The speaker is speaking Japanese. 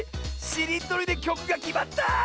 しりとりできょくがきまった！